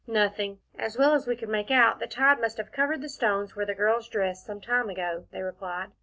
"Nothing as well as we could make out, the tide must have covered the stones where the girls dressed, some time ago," they replied.